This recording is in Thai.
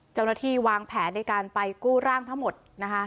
เจ้าหน้าที่วางแผนในการไปกู้ร่างทั้งหมดนะคะ